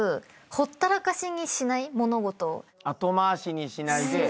後回しにしないで。